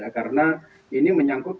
karena ini menyangkut